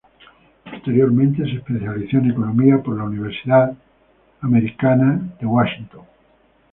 Posteriormente se especializó en economía en la American University de Washington.